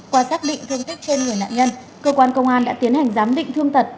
qua xác định thương tích trên người nạn nhân cơ quan công an đã tiến hành giám định thương tật